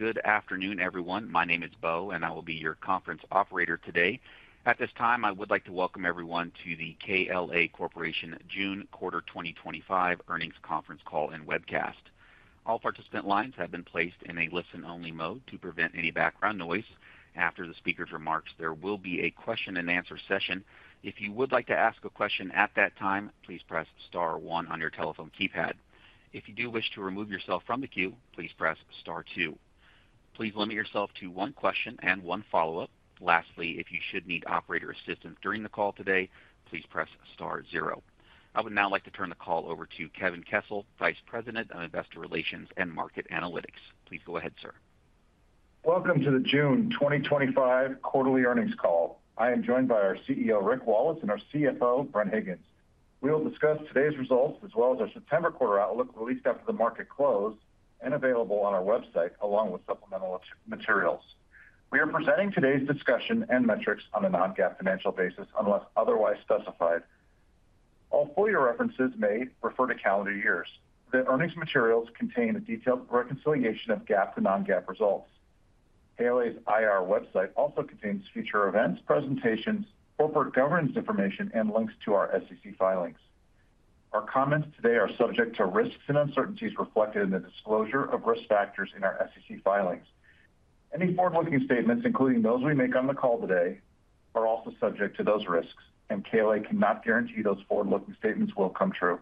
Good afternoon everyone. My name is Bo and I will be your conference operator today. At this time I would like to welcome everyone to the KLA Corporation June quarter 2025 earnings conference call and webcast. All participant lines have been placed in a listen only mode to prevent any background noise. After the speaker's remarks, there will be a question and answer session. If you would like to ask a question at that time, please press star one on your telephone keypad. If you do wish to remove yourself from the queue, please press star two. Please limit yourself to one question and one follow up. Lastly, if you should need operator assistance during the call today, please press star zero. I would now like to turn the call over to Kevin Kessel, Vice President of Investor Relations and Market Analytics. Please go ahead sir. Welcome to the June 2025 quarterly earnings call. I am joined by our CEO Rick Wallace and our CFO Bren Higgins. We will discuss today's results as well as our September quarter outlook released after the market closed and available on our website along with supplemental materials. We are presenting today's discussion and metrics on a non-GAAP financial basis. Unless otherwise specified, all FOIA references made refer to calendar years. The earnings materials contain a detailed reconciliation of GAAP to non-GAAP results. KLA's IR website also contains future events, presentations, corporate governance information, and links to our SEC filings. Our comments today are subject to risks and uncertainties reflected in the disclosure of risk factors in our SEC filings. Any forward-looking statements, including those we. Make on the call today are also. Subject to those risks, and KLA cannot guarantee those forward-looking statements will come true.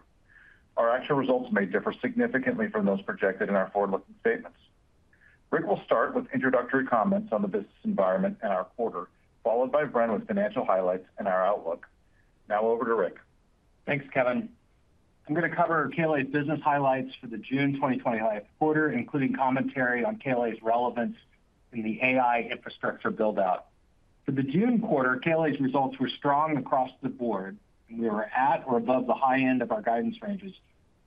Our actual results may differ significantly from those projected in our forward-looking statements. Rick will start with introductory comments. The business environment in our quarter followed. By Bren Higgins with financial highlights and our outlook. Now over to Rick. Thanks, Kevin. I'm going to cover KLA business highlights for the June 2020 quarter, including commentary on KLA's relevance in the AI infrastructure buildout. For the June quarter, KLA's results were strong across the board, and we were at or above the high end of our guidance ranges.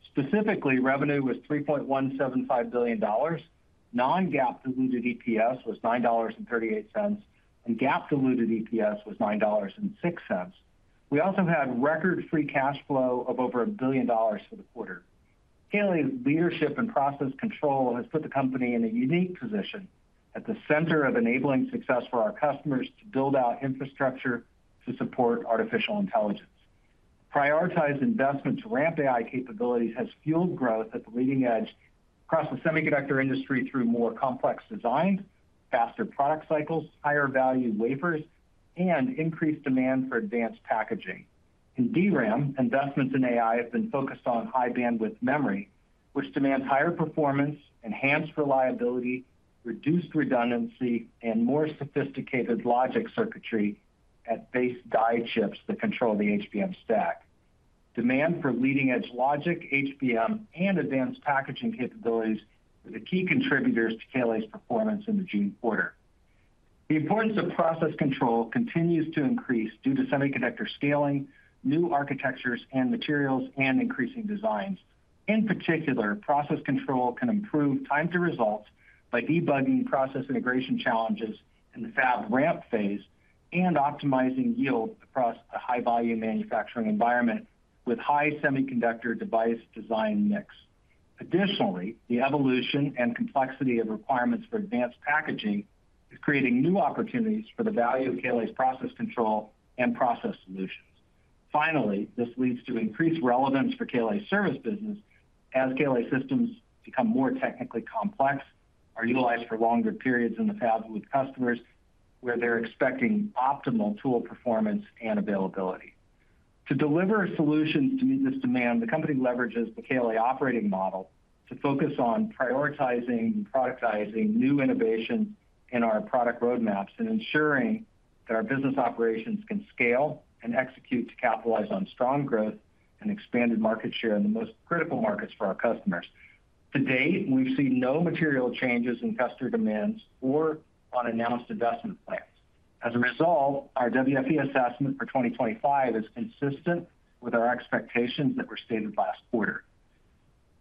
Specifically, revenue was $3.175 billion. Non-GAAP diluted EPS was $9.38, and GAAP diluted EPS was $9.06. We also had record free cash flow of over $1 billion for the quarter. KLA's leadership in process control has put the company in a unique position at the center of enabling success for our customers to build out infrastructure to support artificial intelligence. Prioritized investment to ramp AI capabilities has fueled growth at the leading edge across the semiconductor industry through more complex designs, faster product cycles, higher value wafers, and increased demand for advanced packaging in DRAM. Investments in AI have been focused on high-bandwidth memory, which demands higher performance, enhanced reliability, reduced redundancy, and more sophisticated logic circuitry at base die chips that control the HBM stack. Demand for leading-edge logic, HBM, and advanced packaging capabilities were the key contributors to KLA's performance in the June quarter. The importance of process control continues to increase due to semiconductor scaling, new architectures and materials, and increasing designs. In particular, process control can improve time to results by debugging process integration challenges in the fab ramp phase and optimizing yield across a high-volume manufacturing environment with high semiconductor device design mix. Additionally, the evolution and complexity of requirements for advanced packaging is creating new opportunities for the value of KLA's process control and process solutions. Finally, this leads to increased relevance for the KLA services business as KLA systems become more technically complex and are utilized for longer periods in the fab with customers where they're expecting optimal tool performance and availability to deliver solutions. To meet this demand, the company leverages the KLA operating model to focus on prioritizing and productizing new innovation in our product roadmaps and ensuring that our business operations can scale and execute to capitalize on strong growth and expanded market share in the most critical markets for our customers. To date, we've seen no material changes in customer demands or on announced investment plans. As a result, our WFE assessment for 2025 is consistent with our expectations that were stated last quarter.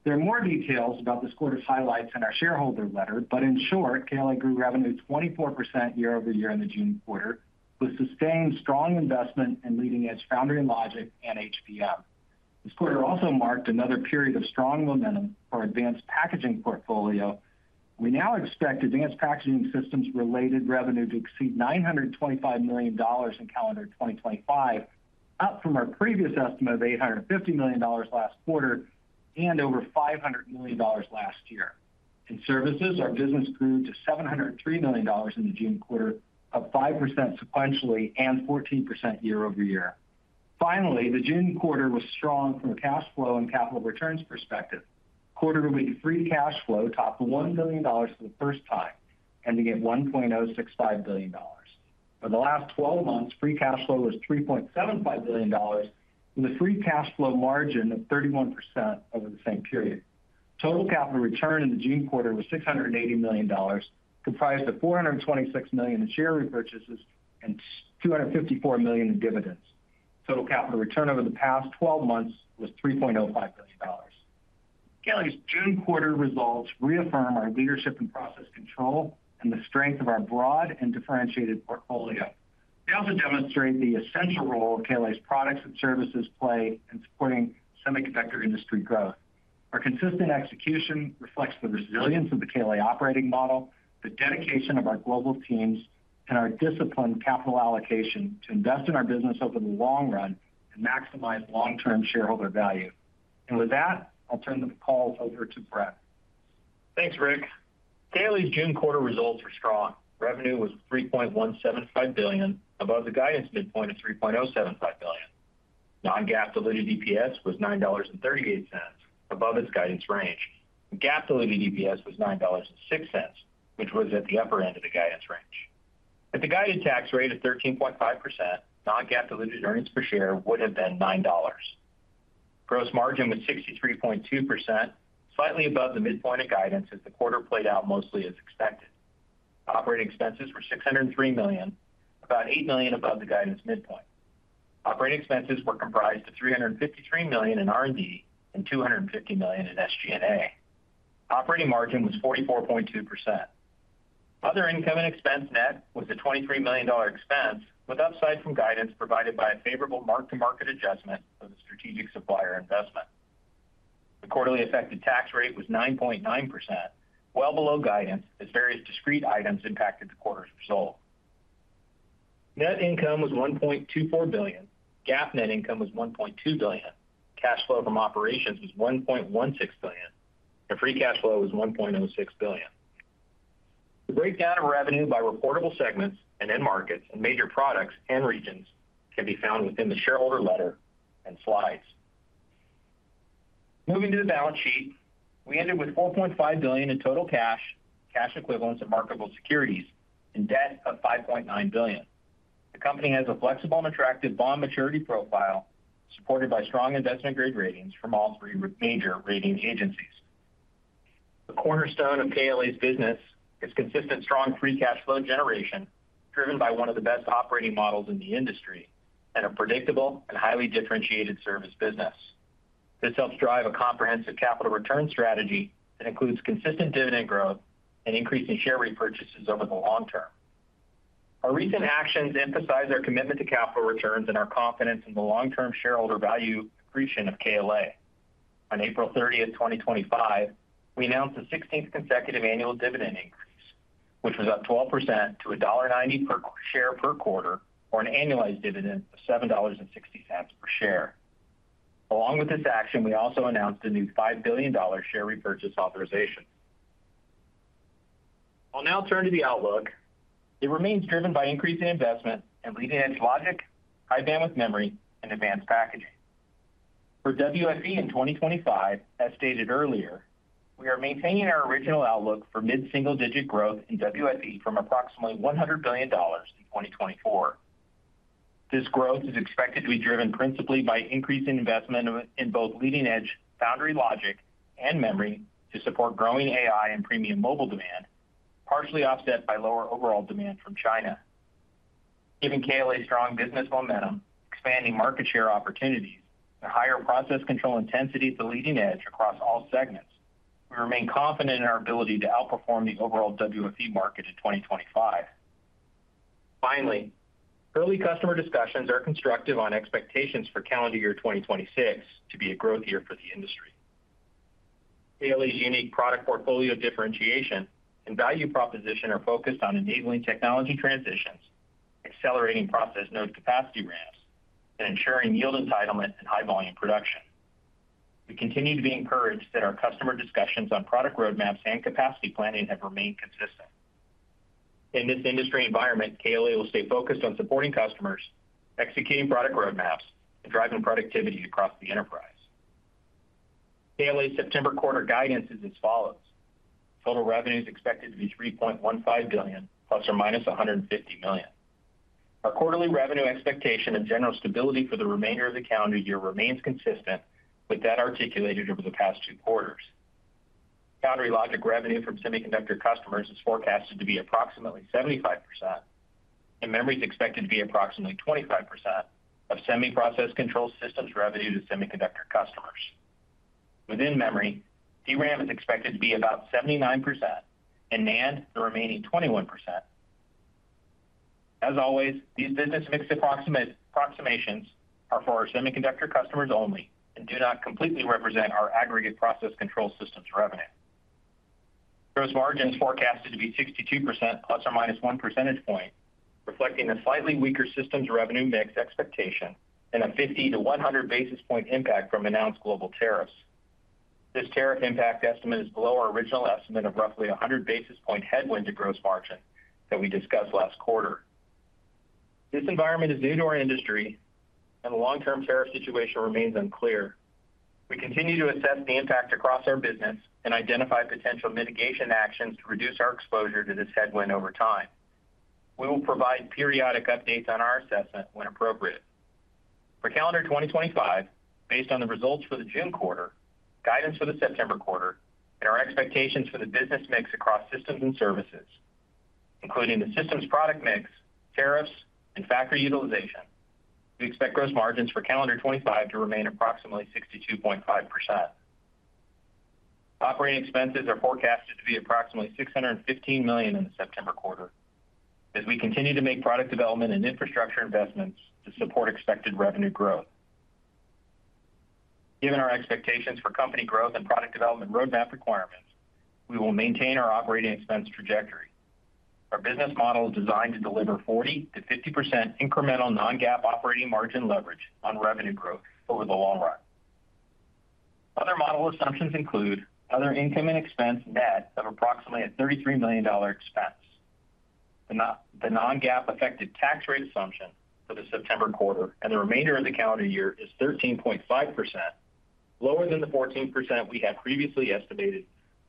There are more details about this quarter's highlights in our shareholder letter, but in short, KLA grew revenue 24% year-over-year in the June quarter with sustained strong investment in Leading Edge, Foundry and Logic and HBM. This quarter also marked another period of strong momentum for our advanced packaging portfolio. We now expect advanced packaging systems related revenue to exceed $925 million in calendar 2025, up from our previous estimate of $850 million last quarter and over $500 million last year. In services, our business grew to $703 million in the June quarter, up 5% sequentially and 14% year-over-year. Finally, the June quarter was strong from a cash flow and capital returns perspective. Quarterly free cash flow topped $1 billion for the first time, ending at $1.065 billion. For the last 12 months, free cash flow was $3.75 billion with a free cash flow margin of 31% over the same period. Total capital return in the June quarter was $680 million, comprised of $426 million in share repurchases and $254 million in dividends. Total capital return over the past 12 months was $3.05 billion. KLA's June quarter results reaffirm our leadership in process control and the strength of our broad and differentiated portfolio. They also demonstrate the essential role KLA's products and services play in supporting semiconductor industry growth. Our consistent execution reflects the resilience of the KLA operating model, the dedication of our global teams, and our disciplined capital allocation to invest in our business over the long run and maximize long-term shareholder value. With that, I'll turn the call over to Bren. Thanks Rick. KLA Corporation's June quarter results were strong. Revenue was $3.175 billion, above the guidance midpoint of $3.075 billion. Non-GAAP diluted EPS was $9.38, above its guidance range. GAAP diluted EPS was $9.06, which was. At the upper end of the guidance range. At the guided tax rate of 13.5%, non-GAAP diluted earnings per share would have been $9. Gross margin was 63.2%, slightly above the midpoint of guidance as the quarter played out mostly as expected. Operating expenses were $603 million, about $8 million above the guidance midpoint. Operating expenses were comprised of $353 million in R&D and $250 million in SG&A. Operating margin was 44.2%. Other income and expense net was a $23 million expense, with upside from guidance provided by a favorable mark-to-market adjustment of the strategic supplier investment. The quarterly effective tax rate was 9.9%, well below guidance as various discrete items. Impacted the quarter's result. Net income was $1.24 billion, GAAP net. Income was $1.2 billion, cash flow from. Operations was $1.16 billion and free cash flow was $1.06 billion. The breakdown of revenue by reportable segments and end markets and major products and regions can be found within the shareholder letter and slides. Moving to the balance sheet, we ended with $4.5 billion in total cash, cash equivalents and marketable securities and debt of $5.9 billion. The company has a flexible and attractive bond maturity profile, supported by strong investment grade ratings from all three major rating agencies. The cornerstone of KLA's business is consistent, strong free cash flow generation driven by one of the best operating models in the industry and a predictable and highly differentiated service business. This helps drive a comprehensive capital return strategy that includes consistent dividend growth and increasing share repurchases over the long term. Our recent actions emphasize our commitment to. Capital returns and our confidence in the long-term shareholder value accretion of KLA. On April 30, 2025, we announced the 16th consecutive annual dividend increase, which was up 12% to $1.90 per share per quarter, or an annualized dividend of $7.60 per share. Along with this action, we also announced. A new $5 billion share repurchase authorization. I'll now turn to the outlook. It remains driven by increasing investment in leading edge logic, high-bandwidth memory, and advanced packaging for WFE in 2025. As stated earlier, we are maintaining our original outlook for mid single digit growth in WFE from approximately $100 billion in 2024. This growth is expected to be driven principally by increasing investment in both leading edge and foundry logic and memory to support growing AI and premium mobile demand, partially offset by lower overall demand from China. Given KLA's strong business momentum, expanding market share opportunities, and higher process control intensity at the leading edge across all segments, we remain confident in our ability to outperform the overall WFE market in 2025. Finally, early customer discussions are constructive on expectations for calendar year 2026 to be a growth year for the industry. KLA's unique product portfolio differentiation and value proposition are focused on enabling technology transitions, accelerating process node capacity ramps, and ensuring yield entitlement and high volume production. We continue to be encouraged that our customer discussions on product roadmaps and capacity planning have remained consistent in this industry environment. KLA will stay focused on supporting customers, executing product roadmaps, and driving productivity across the enterprise. KLA's September quarter guidance is as follows. Total revenue is expected to be $3.15 billion plus or minus $150 million. Our quarterly revenue expectation of general stability for the remainder of the calendar year remains consistent with that articulated over the past two quarters. Foundry logic revenue from semiconductor customers is forecasted to be approximately 75% and memory is expected to be approximately 25% of semi process control systems revenue. To semiconductor customers within memory, DRAM is expected to be about 79% and NAND the remaining 21%. As always, these business mix approximations are for our semiconductor customers only and do not completely represent our aggregate process control systems revenue. Gross margin is forecasted to be 62% plus or minus 1 percentage point, reflecting a slightly weaker systems revenue mix expectation and a 50-100 basis point impact from announced global tariffs. This tariff impact estimate is below our original estimate of roughly 100 basis point headwind to gross margin that we discussed last quarter. This environment is new to our industry, and the long-term tariff situation remains unclear. We continue to assess the impact across our business and identify potential mitigation actions to reduce our exposure to this headwind over time. We will provide periodic updates on our assessment when appropriate for calendar 2025. Based on the results for the June quarter, guidance for the September quarter, and our expectations for the business mix across systems and services, including the systems, product mix, tariffs, and factory utilization, we expect gross margins for calendar 2025 to remain approximately 62.5%. Operating expenses are forecasted to be approximately $615 million in the September quarter as we continue to make product development and infrastructure investments to support expected revenue growth. Given our expectations for company growth and product development roadmap requirements, we will maintain our operating expense trajectory. Our business model is designed to deliver 40%-50% incremental non-GAAP operating margin leverage on revenue growth over the long run. Other model assumptions include other income and expense, net, of approximately a $33 million expense. The non-GAAP effective tax rate assumption for the September quarter and the remainder of the calendar year is 13.5%, lower than the 14% we had previously estimated.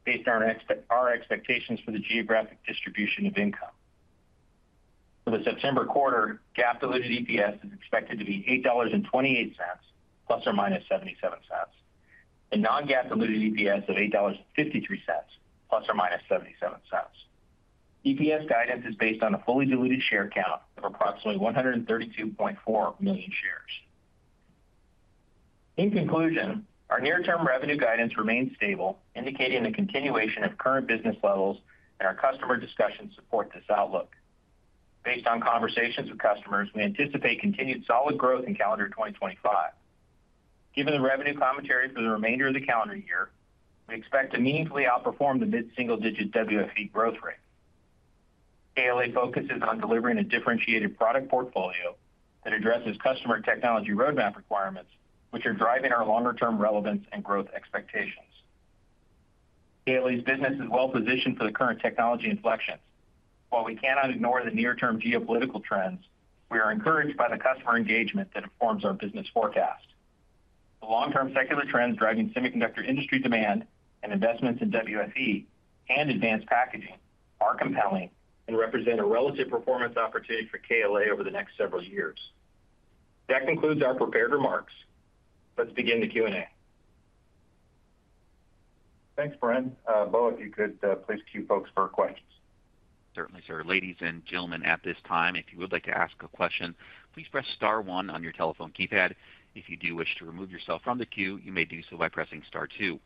Based on our expectations for the geographic distribution of income for the September quarter, GAAP diluted EPS is expected to be $8.28 plus or minus $0.77 and non-GAAP diluted EPS of $8.53 plus or minus $0.77. EPS guidance is based on a fully diluted share count of approximately 132.4 million shares. In conclusion, our near-term revenue guidance remains stable, indicating the continuation of current business levels, and our customer discussions support this outlook. Based on conversations with customers, we anticipate continued solid growth in calendar 2025. Given the revenue commentary for the remainder of the calendar year, we expect to meaningfully outperform the mid-single-digit WFE growth rate. KLA Corporation focuses on delivering a differentiated product portfolio that addresses customer technology roadmap requirements, which are driving our longer-term relevance and growth expectations. KLA's business is well positioned for the current technology inflections. While we cannot ignore the near-term geopolitical trends, we are encouraged by the customer engagement that informs our business forecast. The long-term secular trends driving semiconductor industry demand and investments in WFE and advanced packaging are compelling and represent a relative performance opportunity for KLA over the next several years. That concludes our prepared remarks. Let's begin the Q&A. Thanks, Brian Lorig. If you could please cue folks for questions. Certainly, sir. Ladies and gentlemen, at this time, if you would like to ask a question, please press Star one on your telephone keypad. If you do wish to remove yourself from the queue, you may do so by pressing Star two.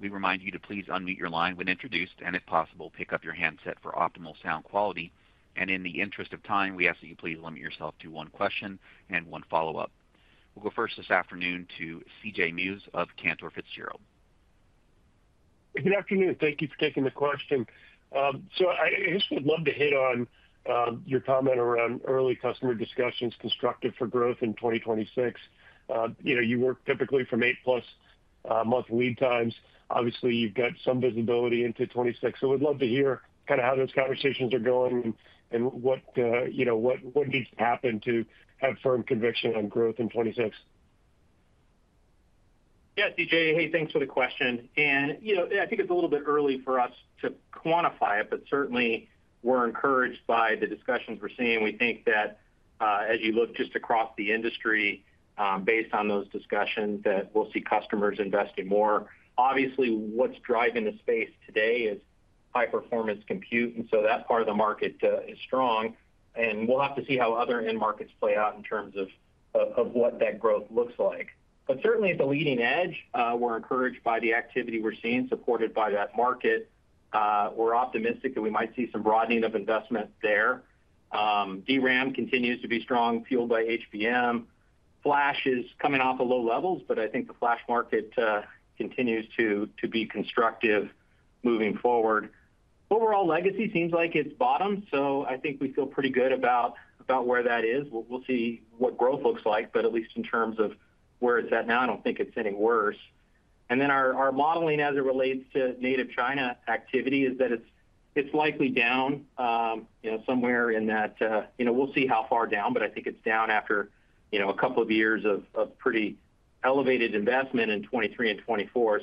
We remind you to please unmute your line when introduced, and if possible, pick up your handset for optimal sound quality. In the interest of time, we ask that you please limit yourself to one question and one follow-up. We'll go first this afternoon to C. J. Muse of Cantor Fitzgerald. Good afternoon. Thank you for taking the question. I just would love to hit on your comment around early customer discussions. Constructive for growth in 2026. You know, you work typically from eight plus month lead times. Obviously you've got some visibility into 2026. I would love to hear kind of how those conversations are going and what, you know, what needs to happen to have firm conviction on growth in 2026. Yes, thanks for the question. I think it's a little bit early for us to quantify it, but certainly we're encouraged by the discussions we're seeing. We think that as you look just across the industry based on those discussions, we'll see customers investing more. Obviously, what's driving the space today is high performance compute, and that part of the market is strong. We'll have to see how other end markets play out in terms of what that growth looks like. Certainly at the leading edge, we're encouraged by the activity we're seeing supported by that market. We're optimistic that we might see some broadening of investment there. DRAM continues to be strong, fueled by high-bandwidth memory. Flash is coming off of low levels, but I think the flash market continues to be constructive moving forward. Overall, legacy seems like it's bottomed, so I think we feel pretty good about where that is. We'll see what growth looks like, but at least in terms of where it's at now, I don't think it's any worse. In our modeling as it relates to native China activity, it's likely down somewhere in that, we'll see how far down. I think it's down after a couple of years of pretty elevated investment in 2023 and 2024.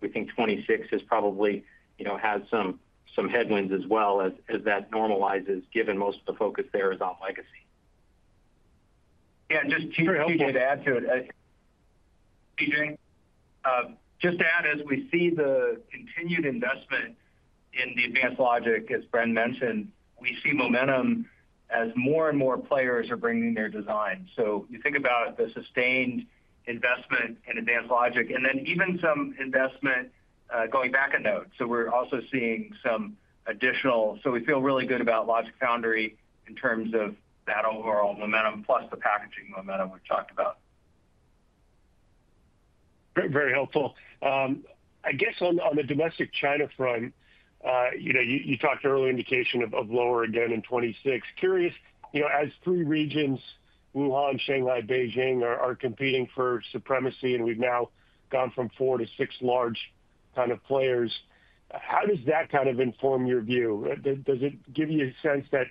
We think that 2025 is down, and we think 2026 probably has some headwinds as well as that normalizes, given most of the focus there is on legacy. Yeah, just to add to it, as we see the continued investment in advanced logic, as Bren mentioned, we see momentum as more and more players are bringing their design. You think about the sustained investment in advanced logic and then even some investment going back a node. We're also seeing some additional, so we feel really good about logic foundry in terms of that overall momentum plus. The packaging momentum we've talked about. Very helpful, I guess, on the domestic China front. You talked earlier, indication of lower again in 2026. Curious, as three regions, Wuhan, Shanghai, Beijing, are competing for supremacy and we've now gone from four to six large kind of players. How does that inform your view? Does it give you a sense that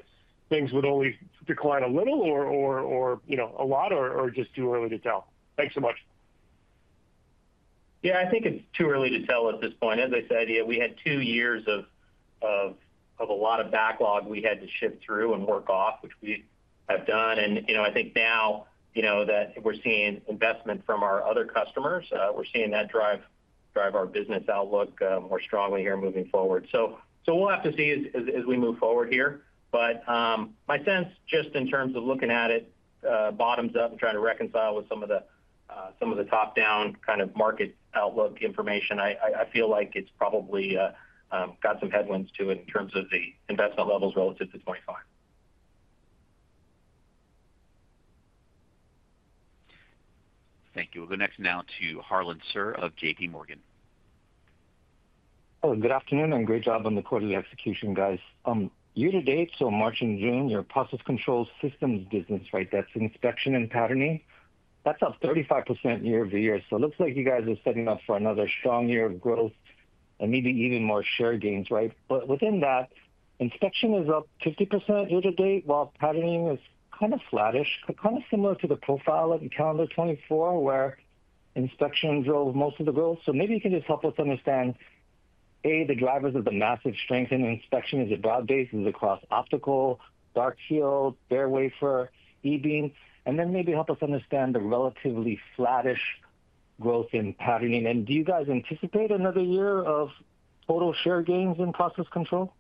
things would only decline a little, or a lot, or just too early to tell? Thanks so much. I think it's too early to tell at this point. As I said, we had two years of a lot of backlog we had to shift through and work off, which we have done. I think now that we're seeing investment from our other customers, we're seeing that drive our business outlook more strongly here moving forward. We'll have to see as we move forward here. My sense just in terms of looking at it bottoms up and trying to reconcile with some of the top down kind of market outlook information, I feel like it's probably got some headwinds to it in terms of the investment levels relative to 2025. Thank you. We'll go next now to Harlan Sur of JPMorgan. Good afternoon and great job on the quarterly execution guys year to date. March and June, your process control systems business rate, that's inspection and patterning, that's up 35% year-over-year. It looks like you guys are setting up for another strong year of growth and maybe even more share gains. Right. Within that, inspection is up 50% year to date while patterning is kind of flattish, kind of similar to the profile for calendar 2024 where inspection drove most of the growth. Maybe you can just help us. Understand how the drivers of the massive strength in inspection, is it broad based, is it across optical, dark field, bare wafer, e-beam, and then maybe help us understand the relatively flattish growth in patterning. Do you guys anticipate another year? Of total share gains in process control?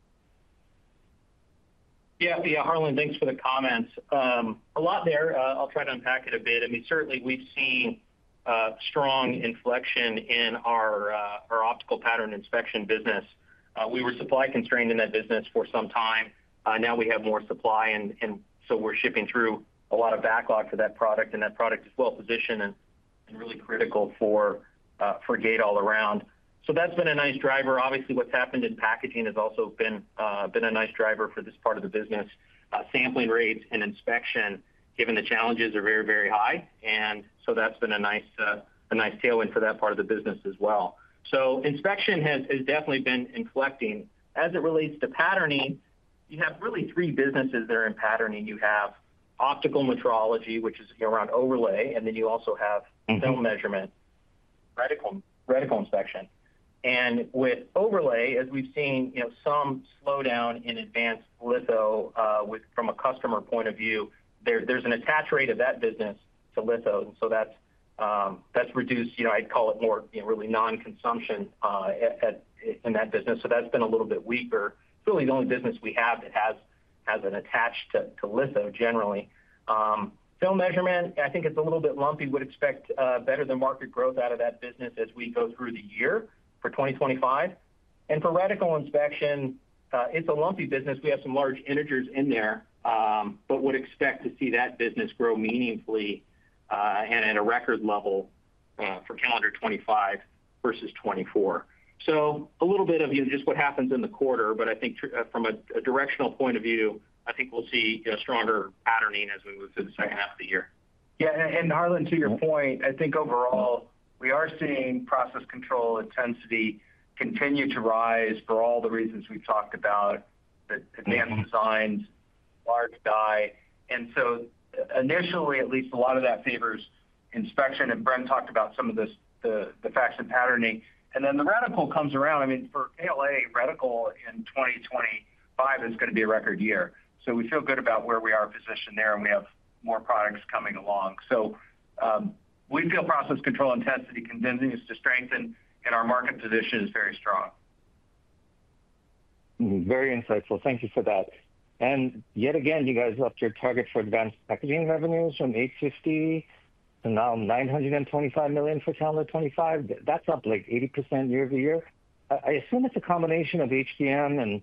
Yeah, Harlan, thanks for the comments, a lot there. I'll try to unpack it a bit. I mean, certainly we've seen strong inflection in our optical pattern inspection business. We were supply constrained in that business for some time, now we have more supply and we're shipping through a lot of backlog for that product. That product is well positioned and really critical for gate all around. That's been a nice driver. Obviously, what's happened in advanced packaging has also been a nice driver for this part of the business. Sampling rates and inspection, given the challenges, are very, very high. That's been a nice tailwind for that part of the business as well. Inspection has definitely been inflecting as it relates to patterning. You have really three businesses that are in patterning. You have optical metrology, which is around overlay. Then you also have film measurement, reticle inspection, and with overlay, as we've seen some slowdown in advanced litho from a customer point of view, there's an attach rate of that business to litho, so that's reduced. I'd call it more really non-consumption in that business. That's been a little bit weaker. It's really the only business we have that has an attach to litho. Generally, film measurement, I think it's a little bit lumpy. Would expect better than market growth out of that business as we go through the year for 2025, and for reticle inspection, it's a lumpy business. We have some large integers in there, but would expect to see that business grow meaningfully and at a record level for calendar 2025 versus 2024. A little bit of just what. Happens in the quarter. I think from a directional point of view, I think we'll see stronger patterning as we move through the second half of the year. Yeah, Harlan, to your point, I think overall we are seeing process control intensity continue to rise for all the reasons we talked about, the advanced designs, large die, and so initially at least a lot of that favors inspection. Bren talked about some of this, the facts of patterning, and then the reticle comes around. I mean for a reticle in 2025. is going to be a record year. We feel good about where we are. Are positioned there, and we have more products coming along. We feel process control intensity continues to strengthen, and our market position is very strong. Very insightful. Thank you for that. Yet again you guys left your. Target for advanced packaging. Revenues from $850 million, now $925 million for talent 25, that's up like 80% year-over-year. I assume it's a combination of HBM and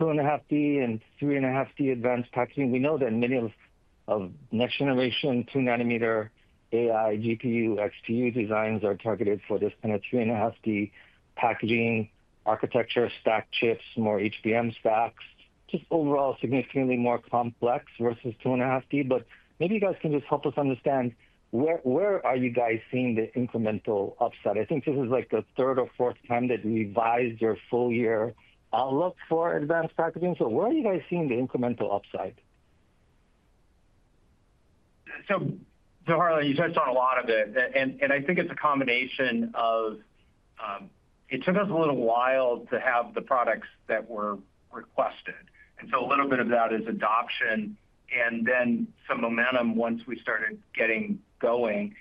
2.5D and 3.5D advanced packaging. We know that many of next generation 2 nanometer AI GPU XPU designs are targeted for this kind of 3.5D packaging architecture, stack chips, more HBM stacks, just overall significantly more complex versus 2.5D. Maybe you guys can just help us understand where you guys are seeing the incremental upside. I think this is like the third or fourth time that you've revised your full year outlook for advanced packaging. Where are you guys seeing the incremental upside? You touched on a lot of it and I think it's a combination of it took us a little while to have the products that were requested, and so a little bit of that is adoption and then some momentum once we started getting going.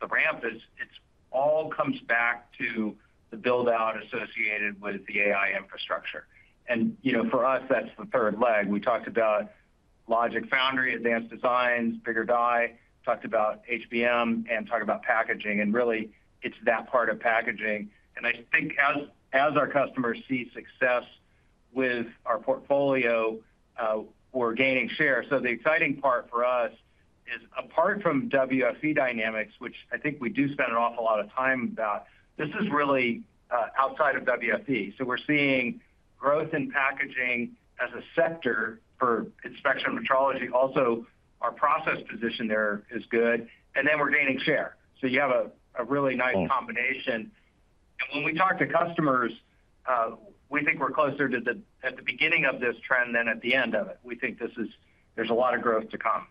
The ramp is, it all comes. Back to the build out associated with the AI infrastructure. For us that's the third leg. We talked about Logic Foundry, advanced designs, bigger die, talked about HBM and talk about packaging, and really it's that part of packaging. I think as our customers see success with our portfolio, we're gaining share. The exciting part for us is apart from WFE dynamics, which I think we do spend an awful lot of time about, this is really outside of WFE. We're seeing growth in packaging as a sector for inspection metrology. Also, our process position there is good and then we're gaining share. You have a really nice combination. When we talk to customers, we. I think we're closer to the beginning of this trend than at the end of it. We think this is, there's a lot. Of growth to come.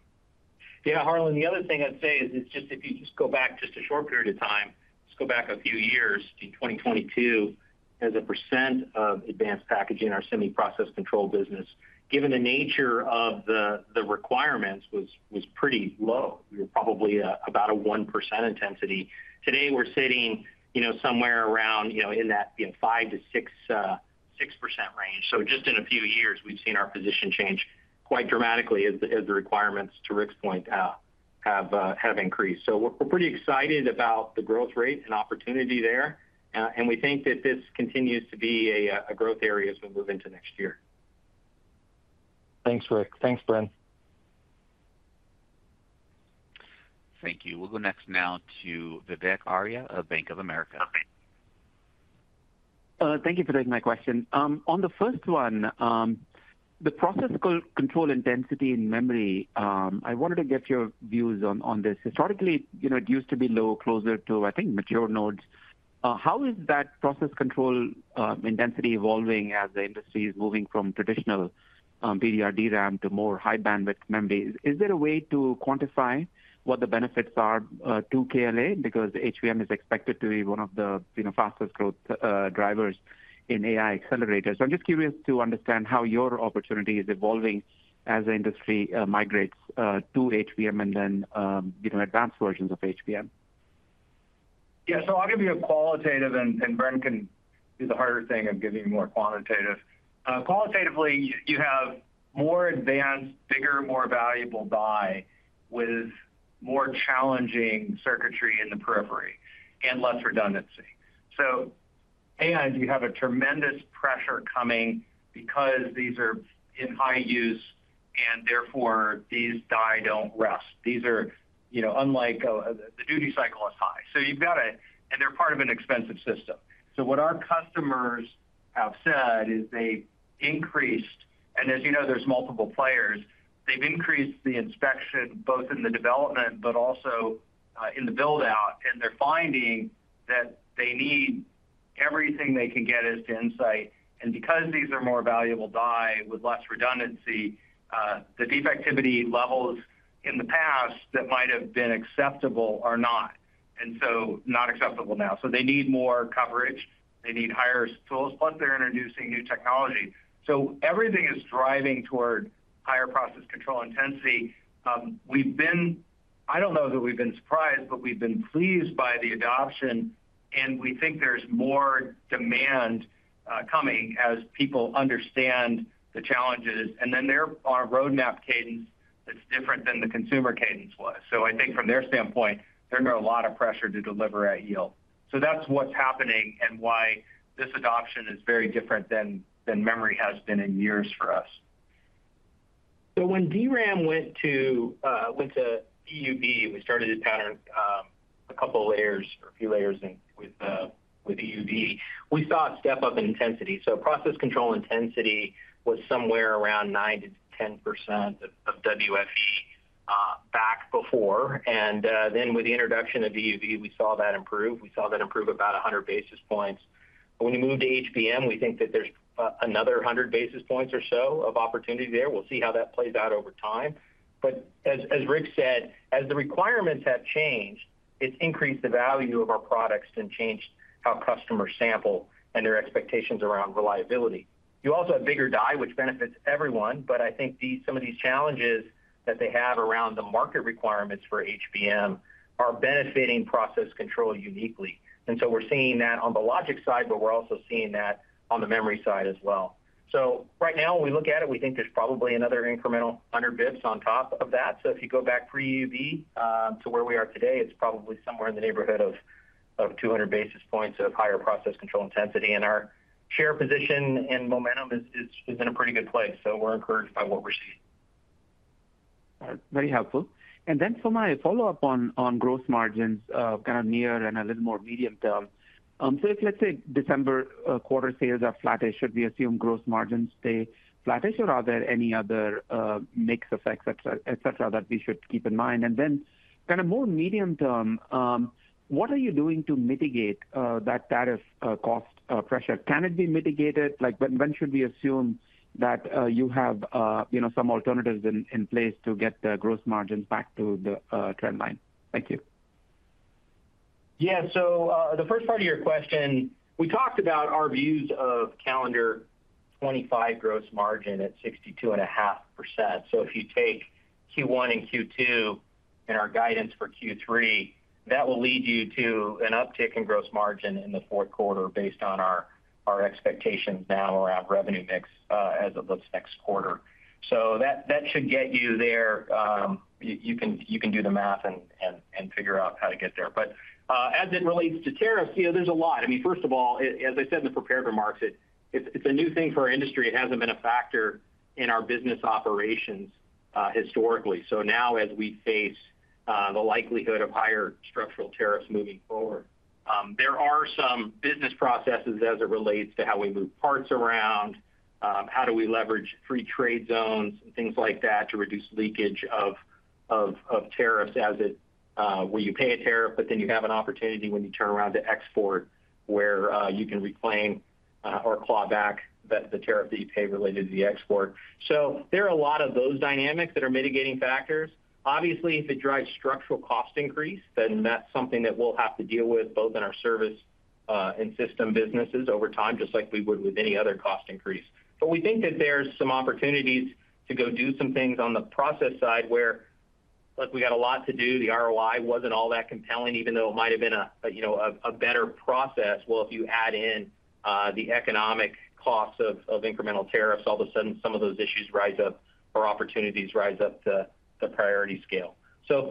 Harlan, the other thing I'd say is. If you just go back. A short period of time, let's go back a few years. In 2022 as a % of advanced packaging, our semi process control business, given the nature of the requirements, was pretty low. We were probably about a 1% intensity. Today we're sitting somewhere around in that 5%-6% range. Just in a few years we've seen our position change quite dramatically as the requirements, to Rick's point, have increased. We're pretty excited about the growth rate and opportunity there, and we think that this continues to be a growth area as we move into next year. Thanks, Rick. Thanks, Bren. Thank you. We'll go next now to Vivek Arya of Bank of America Securities. Thank you for taking my question on the first one, the process control intensity in memory. I wanted to get your views on this. Historically, you know, it used to be low, closer to, I think, mature nodes. How is that process control intensity evolving as the industry is moving from traditional DDR DRAM to more high-bandwidth memory? Is there a way to quantify what the benefits are to KLA? Because HBM is expected to be one of the fastest growth drivers in AI accelerators. I'm just curious to understand how your opportunity is evolving as the industry migrates to HBM and then advanced versions of HBM. I'll give you a qualitative. Bren can do the harder thing. Of giving you more quantitative. Qualitatively, you have more advanced, bigger, more valuable die with more challenging circuitry in the periphery and less redundancy. You have tremendous pressure coming because these are in high use and therefore these die don't rest. Unlike before, the duty cycle is high. You've got to consider they're part of an expensive system. What our customers have said is they increased, and as you know, there's multiple players, they've increased the inspection both in the development and in the build out. They're finding that they need everything they can get as to insight. Because these are more valuable die with less redundancy, the defectivity levels in the past that might have been acceptable are not acceptable now. They need more coverage, they need higher tools, plus they're introducing new technology. Everything is driving toward higher process control intensity. We've been, I don't know that we've been surprised, but we've been pleased by the adoption and we think there's more demand coming as people understand the challenges and they're on a roadmap cadence that's different than the consumer cadence was. I think from their standpoint they're. A lot of pressure to deliver at yield. That's what's happening and why this. Adoption is very different than memory has been in years for us. When DRAM went to EUV, we started this pattern a couple layers or a few layers. With EUV, we saw a step up in intensity. Process control intensity was somewhere around 9 to 10% of WFE back before. With the introduction of EUV, we saw that improve about 100 basis points. When you move to HBM, we think that there's another 100 basis points or so of opportunity there. We'll see how that plays out over time. As Rick said, as the requirements have changed, it's increased the value of our products and changed how customers sample and their expectations around reliability. You also have bigger die, which benefits everyone. I think some of these challenges that they have around the market requirements for HBM are benefiting process control uniquely. We're seeing that on the logic side, but we're also seeing that. On the memory side as well, right now we look at it, we think there's probably another incremental 100 bps on top of that. If you go back pre-UV to where we are today, it's probably somewhere in the neighborhood of 200 bps of higher process control intensity. Our share position and momentum is in a pretty good place. We're encouraged by what we're seeing. Very helpful. For my follow-up on gross margins, kind of near and a little more medium term, if, let's say, December quarter sales are flattish, should we assume gross margins stay flattish, or are there any other mix effects, etc., that we should keep in mind? More medium term, what are you doing to mitigate that tariff cost pressure? Can it be mitigated? When should we assume that you have some alternatives in place to get the gross margins back to the trend line? Thank you. Yeah. The first part of your question, we talked about our views of calendar 2025 gross margin at 62.5%. If you take Q1 and Q2 and our guidance for Q3, that will lead you to an uptick in gross margin in the fourth quarter based on our expectations now around revenue mix as it looks next quarter. That should get you there. You can do the math and figure out how to get there. As it relates to tariffs, there's a lot. First of all, as I said in the prepared remarks, it's a new thing for industry. It hasn't been a factor in our business operations historically. Now as we face the likelihood of higher structural tariffs moving forward, there are some business processes as it relates to how we move parts around. How do we leverage free trade zones and things like that to reduce leakage of tariffs, where you pay a tariff, but then you have an opportunity when you turn around to export where you can reclaim or claw back the tariff that you pay related to the export. There are a lot of those dynamics that are mitigating factors. Obviously, if it drives structural cost increase, then that's something that we'll have to deal with both in our service and system businesses over time, just like we would with any other cost increase. We think that there's some opportunities to go do some things on the process side where we got a lot to do, the ROI wasn't all that compelling, even though it might have been a better process. If you add in the economic costs of incremental tariffs, all of a sudden some of those issues rise up or opportunities rise up to the priority scale.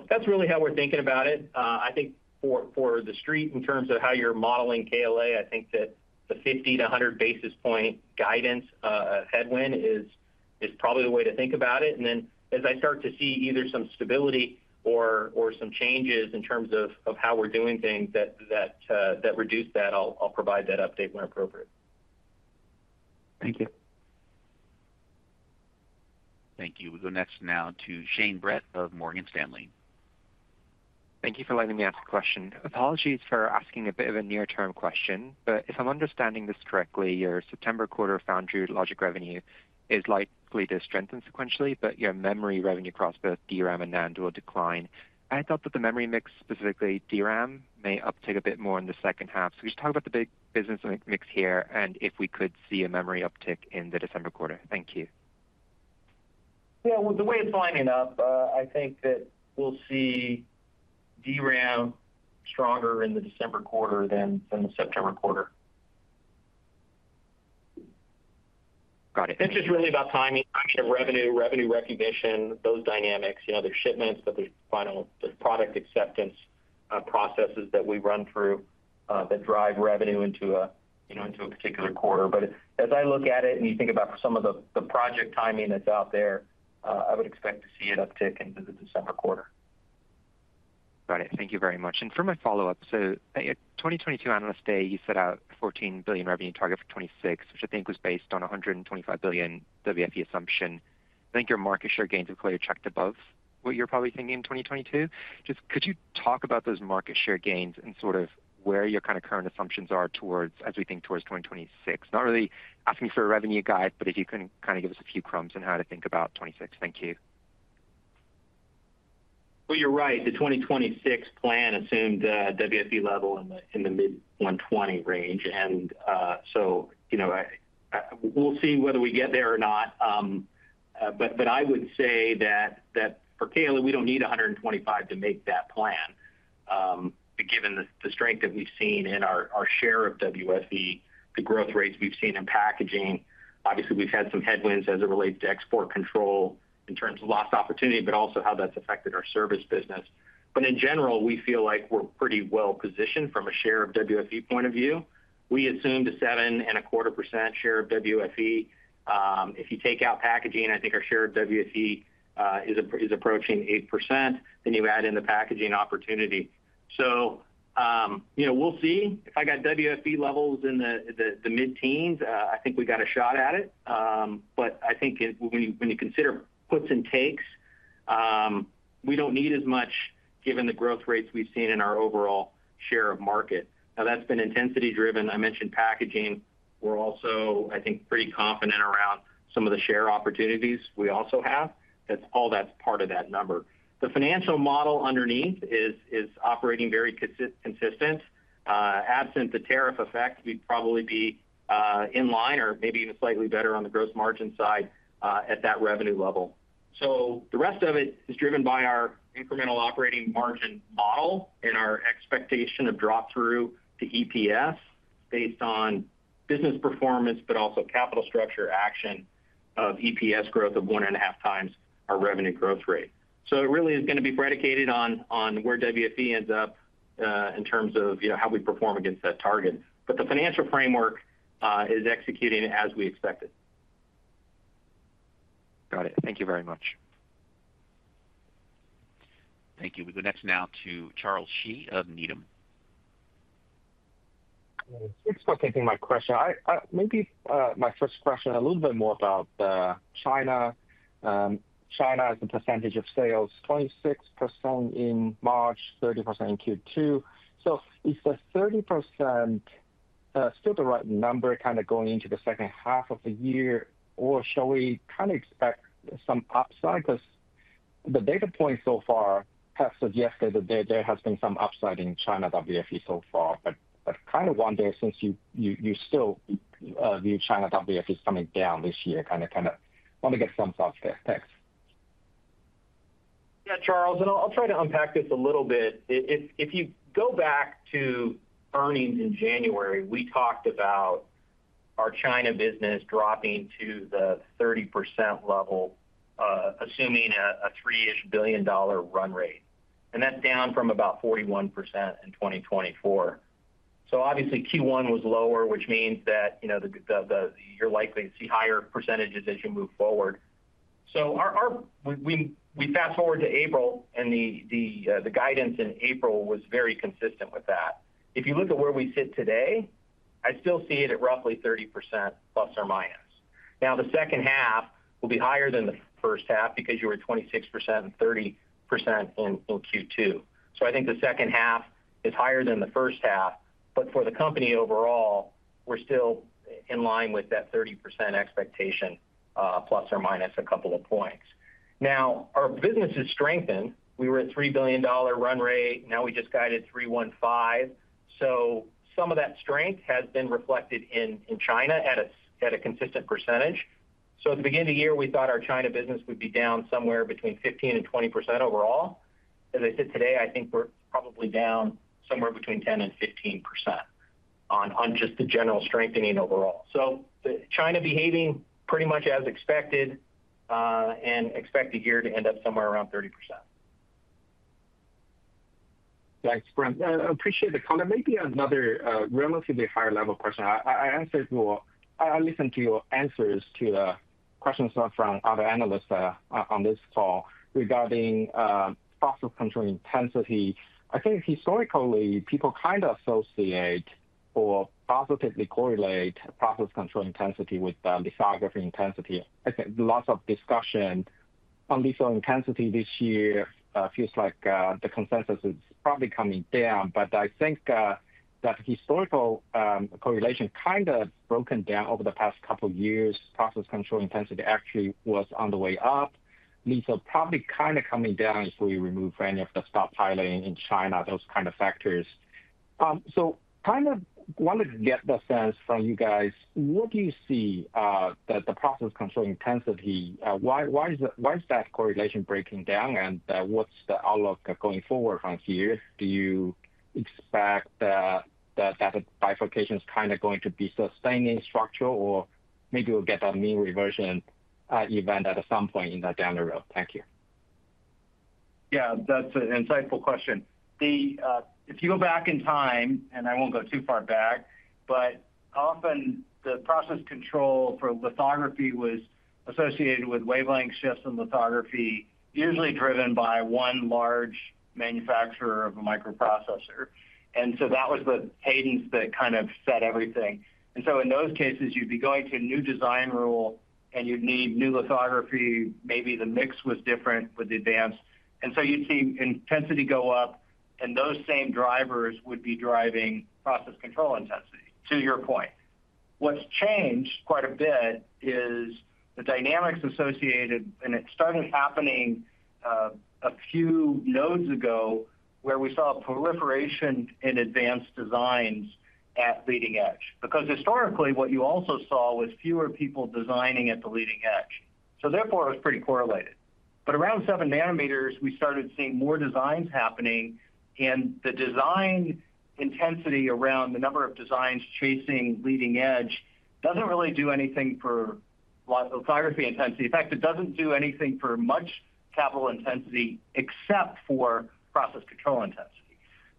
That's really how we're thinking about it. I think for the street, in terms of how you're modeling KLA Corporation, the 50 to 100 basis point guidance headwind is probably the way to think about it. As I start to see either some stability or some changes in terms of how we're doing things that reduce that, I'll provide that update when appropriate. Thank you. Thank you. We go next now to Shane Brett of Morgan Stanley. Thank you for letting me ask the question. Apologies for asking a bit of a near-term question, but if I'm understanding this correctly, your September quarter foundry logic revenue is likely to strengthen sequentially, but your memory revenue across both DRAM and NAND will decline. I thought that the memory mix, specifically DRAM, may uptake a bit more in the second half. Just talk about the big business mix here and if we could see a memory uptick in the December quarter. Thank you. Yeah, with the way it's lining up. I think that we'll see DRAM stronger. In the December quarter than the September quarter. Got it. It's just really about timing of revenue, revenue recognition, those dynamics. There's shipments, but there's final product acceptance processes that we run through that drive revenue into a particular quarter. As I look at it and you think about some of the project timing that's out there, I would expect to see it uptick into the December quarter. Got it. Thank you very much. For my follow up, at the 2022 analyst day, you set out a $14 billion revenue target for 2026, which I think was based on a $125 billion WFE assumption. I think your market share gains have clearly checked above what you were probably thinking in 2022. Could you talk about those markets? Share gains and sort of where your kind of current assumptions are towards, as we think towards 2026. Not really asking for a revenue guide. If you can kind of give us a few crumbs on how to think about 2026. Thank you. You are right. The 2026 plan assumed WFE level in the mid $120 million range. You know, we'll see whether we get there or not. I would say that for KLA, we don't need $125 million to make that plan. Given the strength that we've seen in our share of WFE, the growth rates we've seen in packaging, obviously we've had some headwinds as it relates to export control in terms of lost opportunity, but also how that's affected our service business. In general, we feel like we're pretty well positioned from a share of. WFE point of view. We assumed a 7.25% share of WFE. If you take out packaging, I think our share of WFE is approaching 8%. You add in the packaging opportunity, you know, we'll see. If I got WFE levels in the. Mid teens, I think we got a shot at it. I think when you consider puts and takes, we don't need as much given the growth rates we've seen in our overall share of market. Now that's been intensity driven. I mentioned packaging. We're also, I think, pretty confident around some of the share opportunities we also have. That's all part of that number. The financial model underneath is operating very consistent. Absent the tariff effect, we'd probably be in line or maybe even slightly better on the gross margin side at that revenue level. The rest of it is driven by our incremental operating margin model and our expectation of drop through to EPS based on business performance, but also capital structure action of EPS growth of one and a half times our revenue growth rate. It really is going to be predicated on where WFE ends up in terms of how we perform against that target. The financial framework is executing as we expected. Got it. Thank you very much. Thank you. We go next now to Charles Shi of Needham. Thanks for taking my question, maybe my question. First question, a little bit more about China. China as a percentage of sales, 26% in March, 30% in Q2. Is the 30% still the right? Number kind of going into the second. Half of the year, or shall we? Kind of expect some upside, because the data points so far have. Suggested that there has been some upside in China WFE so far. I kind of wonder since you. Still view China, WFE is coming down this year. I want to get some sort of text. I'll. Try to unpack this a little bit. If you go back to earnings in January, we talked about our China business dropping to the 30% level, assuming a $3 billion run rate, and that's down from about 41% in 2020. 4. Obviously, Q1 was lower, which means that you're likely to see higher percentages as you move forward. We fast forward to April, and the guidance in April was very consistent with that. If you look at where we sit today, I still see it at roughly 30%, plus or minus. The second half will be higher than the first half because you were 26% and 30% in Q2. I think the second half is higher than the first half. For the company overall, we're still in line with that 30% expectation, plus or minus a couple of points. Our business has strengthened. We were at a $3 billion run rate. Now we just guided $3.15 billion. Some of that strength has been reflected in China at a consistent percentage. At the beginning of the year, we thought our China business would be down somewhere between 15% and 20% overall. As I said today, I think we're probably down somewhere between 10% and 15% on just the general strengthening overall. China is behaving pretty much as expected, and I expect the year to end up somewhere around 30%. Thanks, Bren. Appreciate the comment. Maybe another relatively higher level question I answered. I listened to your answers to the questions from other analysts on this call regarding process control intensity. I think historically people kind of associate or positively correlate process control intensity with lithography intensity. I think lots of discussion on this intensity this year feels like the consensus is probably coming down, but I think that the historical correlation is kind of broken. Down over the past couple of years. Process control intensity actually was on the way up. These are probably kind of coming down if we remove any of the stockpiling. In China, those kind of factors. I want to get the. Sense from you guys, what do you see that the process control intensity? Why is that? Correlation breaking down, and what's the outlook going forward from here? Do you expect that bifurcation is kind of going to be sustaining structure, or maybe we'll get that mean reversion event at some point down the road. Thank you. Yeah, that's an insightful question. If you go back in time, and I won't go too far back, often the process control for lithography was associated with wavelength shifts in lithography, usually driven by one large manufacturer of a microprocessor. That was the cadence that. Kind of set everything. In those cases you'd be going to a new design rule and you'd need new lithography. Maybe the mix was different with the advanced. You'd see intensity go up and those same drivers would be driving process control intensity. To your point, what's changed quite a bit is the dynamics associated. It started happening a few nodes ago where we saw proliferation in advanced designs at leading edge because historically what you also saw was fewer people designing at the leading edge. Therefore, it was pretty correlated. Around 7nm we started seeing more designs happening. The design intensity around the number of designs chasing leading edge doesn't really do anything for lithography intensity. In fact, it doesn't do anything for much capital intensity except for process control intensity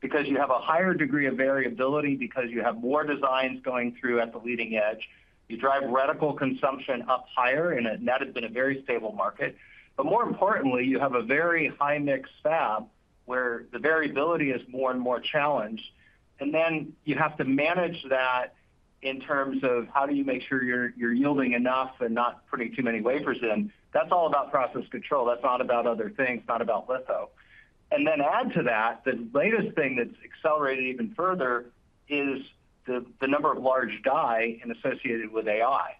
because you have a higher degree of variability. Because you have more designs going through at the leading edge, you drive reticle consumption up higher. That has been a very stable market. More importantly, you have a very. High mix fab where the variability is more and more challenged. You have to manage that in terms of how do you make sure you're yielding enough and not putting too many wafers in. That's all about process control. That's not about other things, not about litho. Add to that the latest thing that's accelerated even further, the number of large die and associated with AI.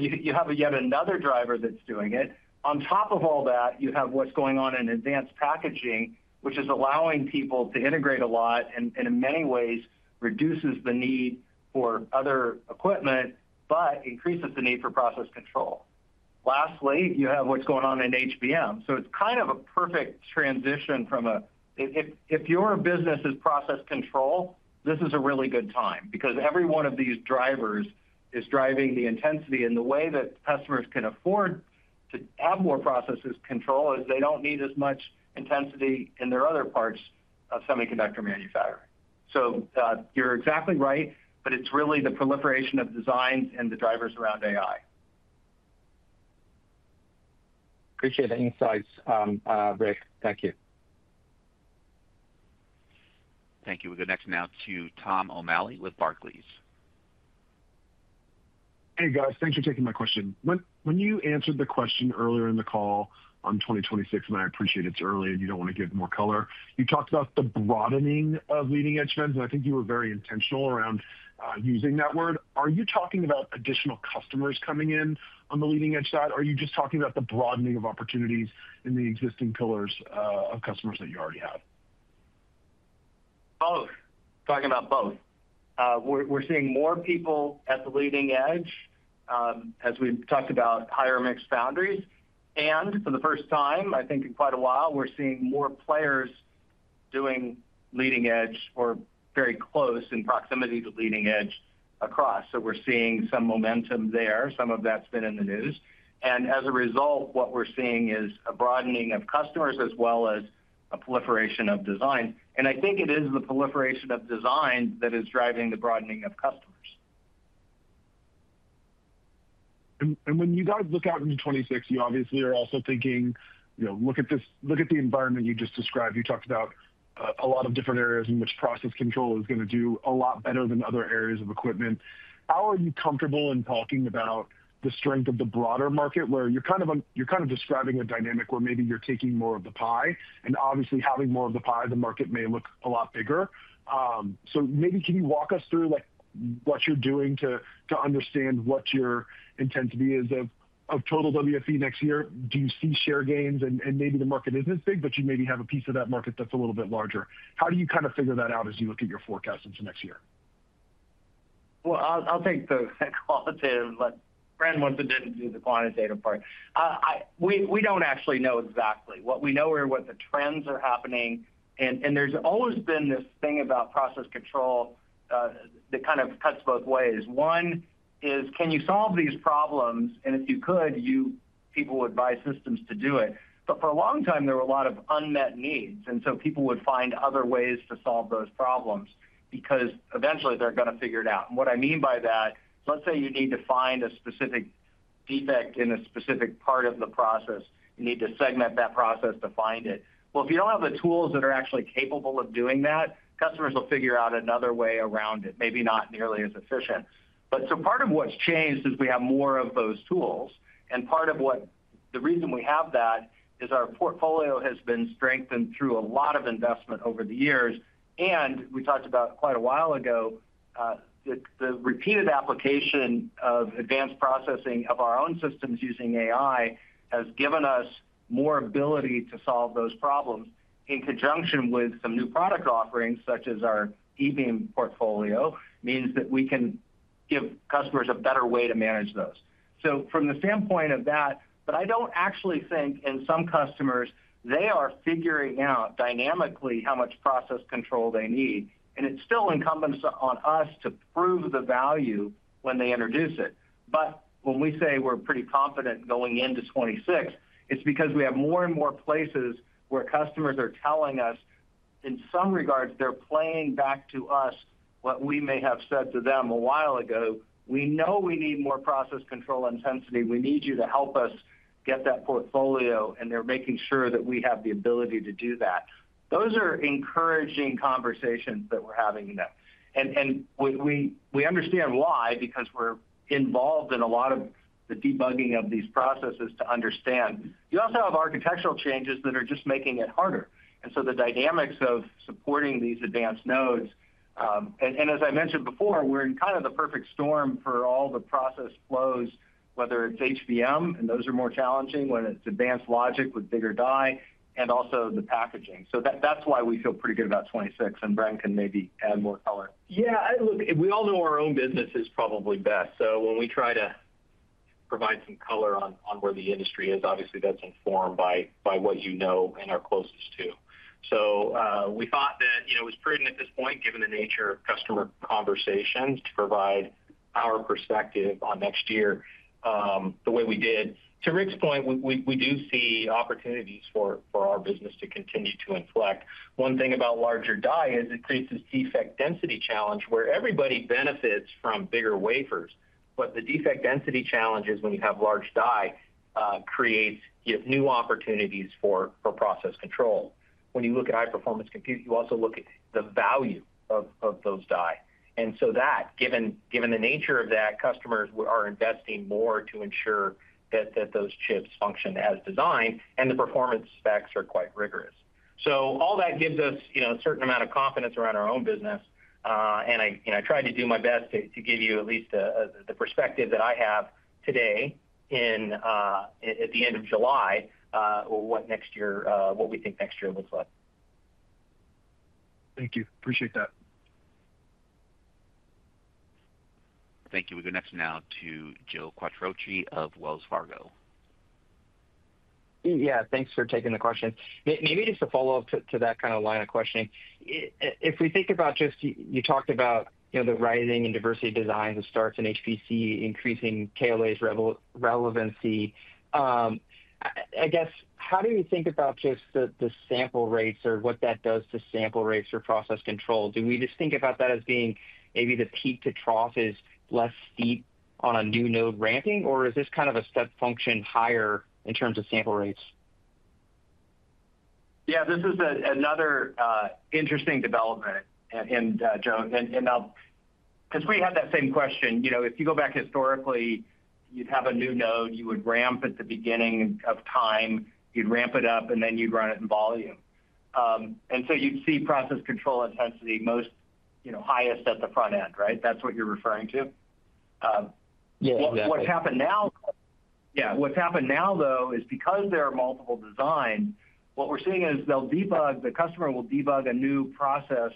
You have yet another driver that's doing it. On top of all that, you have what's going on in advanced packaging, which is allowing people to integrate a lot and in many ways reduces the need for other equipment, but increases the need for process control. Lastly, you have what's going on in high-bandwidth memory. It's kind of a perfect transition. If your business is process control, this. Is a really good time because every. One of these drivers is driving the intensity. The way that customers can afford to have more process control is they don't need as much intensity in their other parts of semiconductor manufacturing. You're exactly right. It's really the proliferation of designs and the drivers around AI. Appreciate the insights, Rick. Thank you. Thank you. We go next now to Tom O'Malley with Barclays. Hey guys, thanks for taking my question. When you answered the question earlier in the call on 2026, I appreciate it's early and you don't want to give more color. You talked about the broadening of leading edge spends, and I think you were very intentional using that word. Are you talking about additional customers coming in on the leading edge side, or are you just talking about the broadening of opportunities in the existing pillars? Customers that you already have? We're seeing more people at the leading edge as we talked about higher, mixed boundaries. For the first time, I think in quite a while, we're seeing more players doing leading edge or very close in proximity to leading edge across. We're seeing some momentum there. Some of that's been in the news. As a result, what we're seeing is a broadening of customers as well as a proliferation of design. I think it is the proliferation of design that is driving the broadening of customers. When you guys look out into 2026, you obviously are also thinking, you know, look at this, look at the environment you just described. You talked about a lot of different areas in which process control is going to do a lot better than other areas of equipment. How are you comfortable in talking about the strength of the broader market where you're kind of describing a dynamic where maybe you're taking more of the pie and obviously having more of the pie, the market may look a lot bigger. Maybe can you walk us through what you're doing to understand what your intensity is of total WFE next year? Do you see share gains and maybe the market is this big, but you maybe have a piece of that market. That's a little bit larger. How do you kind of figure that out as you look at your forecast into next year? I'll take the qualitative brand. Once it didn't do the quantitative part. We don't actually know exactly what we know or what the trends are happening. There's always been this thing about process control that kind of cuts both ways. One is, can you solve these problems? If you could, you people would buy systems to do it. For a long time there were a lot of unmet needs. People would find other ways to solve those problems because eventually they're. Going to figure it out. What I mean by that, let's say you need to find a specific defect in a specific part of the process. You need to segment that process to find it. If you don't have the tools that are actually capable of doing that, customers will figure out another way around it, maybe not nearly as efficient. Part of what's changed is we have more of those tools, and part of the reason we have that is our portfolio has been strengthened through a lot of investment over the years. We talked about quite a while ago, the repeated application of advanced processing of our own systems using AI has given us more ability to solve those problems in conjunction with some new product offerings, such as our E Beam portfolio, which means that we can give customers a better way to manage those. From the standpoint of that, I don't actually think in some customers, they are figuring out dynamically how much process control they need, and it's still incumbent on us to prove the value when they introduce it. When we say we're pretty confident going into 2026, it's because we have more and more places where customers are telling us in some regards, they're playing back to us what we may have said to them a while ago. We know we need more process control intensity. We need you to help us get that portfolio, and they're making sure that we have the ability to do that. Those are encouraging conversations that we're having, and we understand why, because we're involved in a lot of the debugging of these processes. You also have architectural changes that are just making it harder, and the dynamics of supporting these advanced nodes. As I mentioned before, we're in kind of the perfect storm for all the process flows, whether it's high-bandwidth memory, and those are more challenging when it's advanced logic with bigger die and also the packaging. That's why we feel pretty good about 2026, and Bren can maybe add more color. Yeah. We all know our own business is probably best. When we try to provide some color on where the industry is, obviously that's informed by what you know and are closest to. We thought that it was prudent at this point, given the nature of customer conversations, to provide our perspective on next year the way we did. To Rick's point, we do see opportunities for our business to continue to inflect. One thing about larger die is it. Creates this defect density challenge where everybody benefits from bigger wafers. The defect density challenges when you have large die creates new opportunities for process control. When you look at high performance compute, You also look at the value of those die, given the nature of that. Customers are investing more to ensure that those chips function as designed, and the performance specs are quite rigorous. All that gives us a certain. I tried to do my best to give you at least the perspective that I have today at the end, given the amount of confidence around our own business. Of July. What we think next year looks like. Thank you. Appreciate that. Thank you. We go next now to Joe Quatrochi of Wells Fargo. Yeah, thanks for taking the question. Maybe just to follow up to that. Kind of line of questioning, if we think about just, you talked about the rising and diversity designs of starts and HPC increasing KLA's. Rebel relevancy, I guess. How do you think about just the. Sample rates or what that does to sample rates for process control? Do we just think about that as being maybe the peak to trough is less steep on a new node ramping, or is this kind of a step function higher in terms of sample rates? Yeah, this is another interesting development. Joe, because we had that same question, you know, if you go. Back historically, you'd have a new node you would ramp at the beginning of. You'd ramp it up and then you'd run it in volume, and you'd see process control intensity most, you know, highest at the front end. Right, that's what you're referring to. What's happened now, though, is because there are multiple designs, what we're seeing is they'll debug, the customer will debug a new process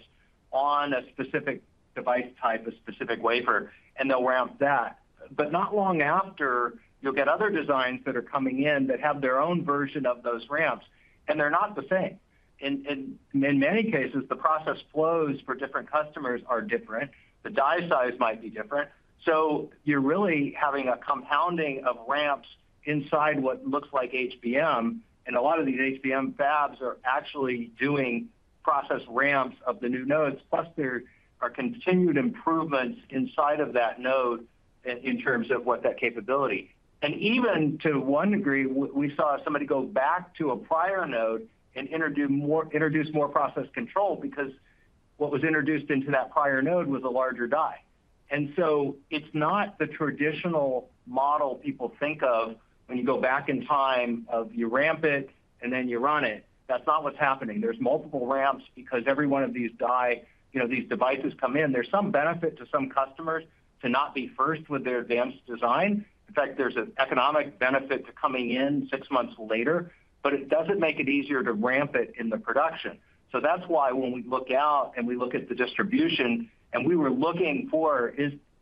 on a specific device type, a specific wafer, and they'll ramp that. Not long after, you'll get other designs that are coming in that have their own version of those ramps, and they're not the same. In many cases, the process flows for different customers are different. The die size might be different. You're really having a compounding of ramps inside what looks like HBM. A lot of these HBM fabs are actually doing process ramps of the new nodes. Plus, there are continued improvements inside of that node in terms of what that capability is. Even to one degree, we saw somebody go back to a prior node and introduce more process control because what was introduced into that prior node was a larger die. It's not the traditional model. People think of when you go back. In time, you ramp it and then you run it. That's not what's happening. There's multiple ramps because every one of. These die, you know, these devices come in. There's some benefit to some customers to not be first with their advanced design. In fact, there's an economic benefit to coming in six months later, but it doesn't make it easier to ramp it in the production. That is why when we look out and we look at the distribution and we were looking for